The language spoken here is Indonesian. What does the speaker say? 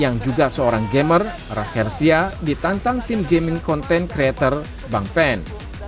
yang juga seorang gamer raff herzia ditantang tim gaming content creator bang pen